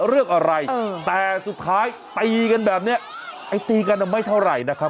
เรื่องอะไรแต่สุดท้ายตีกันแบบนี้ไอ้ตีกันไม่เท่าไหร่นะครับ